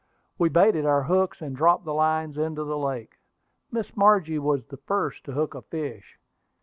We baited our hooks, and dropped the lines into the lake. Miss Margie was the first to hook a fish.